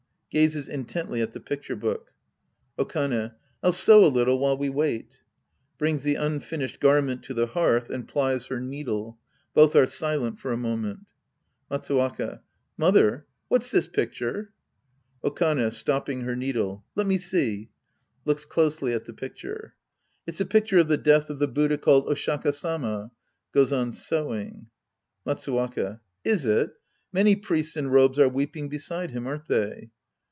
(Gazes intently at the picture book^ Okane. I'll sew a little while we wait, (Brings the unfinished garment to the hearth and plies her needle. Both are silent for a moment^ Matsuwaka. Mother. What's this picture ? Okane {stopping her needle). Let me see. {Looks closely at the picture^ It's a picture of the death of the Buddha called Oshaka Sama. {Goes on sewing.) Matsuwaka. Is it? Many priests in robes are weeping beside him, aren't they